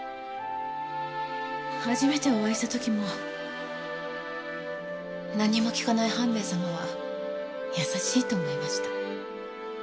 初めてお会いした時も何も聞かない半兵衛様は優しいと思いました。